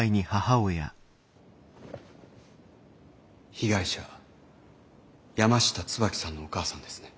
被害者山下椿さんのお母さんですね？